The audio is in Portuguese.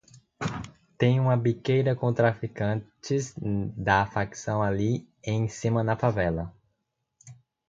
Tem uma biqueira com traficantes da facção ali em cima na favela